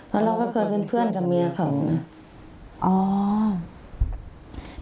เพราะเราก็เคยเพื่อนกับเมียเขาเนี่ย